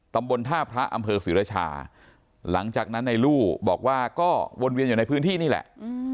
ตำบลท่าพระอำเภอศรีรชาหลังจากนั้นในลู่บอกว่าก็วนเวียนอยู่ในพื้นที่นี่แหละ